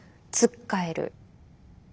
つっかえる。